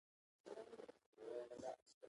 که خدمات وي، مالیه ورکول اسانه دي؟